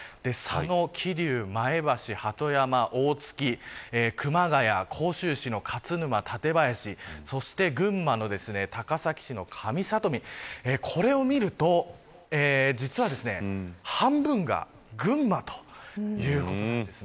佐野、桐生、前橋、鳩山、大月熊谷、甲州市の勝沼館林、そして群馬の高崎市の神里見これを見ると実は半分が群馬ということなんです。